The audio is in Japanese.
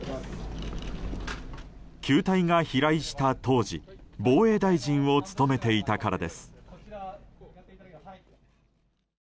球体が飛来した当時防衛大臣を務めていたからです。